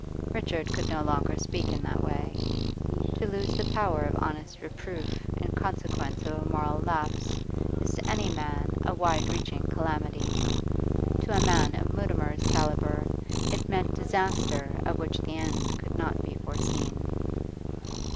Richard could no longer speak in that way. To lose the power of honest reproof in consequence of a moral lapse is to any man a wide reaching calamity; to a man of Mutimer's calibre it meant disaster of which the end could not be foreseen.